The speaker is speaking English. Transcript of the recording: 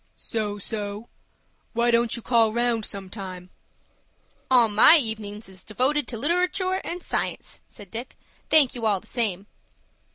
"So so. Why don't you call round, some time?" "All my evenin's is devoted to literatoor and science," said Dick. "Thank you all the same."